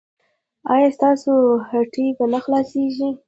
ایا ستاسو هټۍ به نه خلاصیږي؟